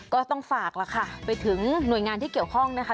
ก็ต้องฝากล่ะค่ะไปถึงหน่วยงานที่เกี่ยวข้องนะคะ